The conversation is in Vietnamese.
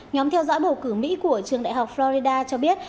nhóm theo dõi bầu cử mỹ của trường đại học florida cho biết